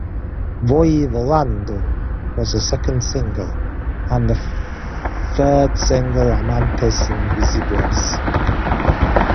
"Voy volando" was her second single and finally her third single "Amantes Invisibles".